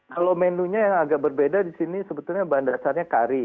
kalau menunya yang agak berbeda di sini sebetulnya bahan dasarnya kari